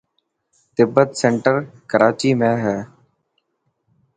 تبت سينٽر ڪراچي ۾ هي.